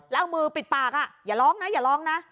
แล้วเอามือปิดปากอย่าร้องนะอย่าร้องนะ